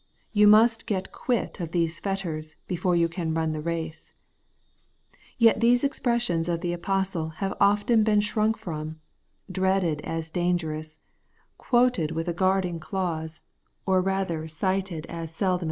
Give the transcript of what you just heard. You must get quit of these fetters before you can run the race. Yet these expressions of the apostle have often been shrunk from ; dreaded as dangerous ; quoted with a guarding clause, or rather cited as seldom 178 The Everlasting Bighteottsness.